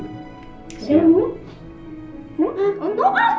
ada yang mau minum